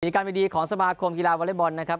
การไม่ดีของสมาคมกีฬาวอเล็กบอลนะครับ